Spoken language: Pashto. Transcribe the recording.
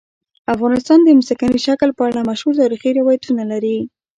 افغانستان د ځمکنی شکل په اړه مشهور تاریخی روایتونه لري.